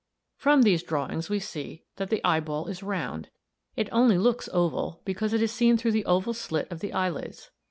From these drawings we see that the eyeball is round; it only looks oval, because it is seen through the oval slit of the eyelids.